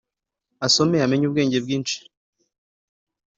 asome amenye ubwenge bwinshi